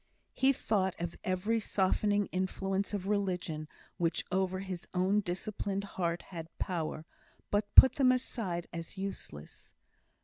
He thought of every softening influence of religion which over his own disciplined heart had power, but put them aside as useless.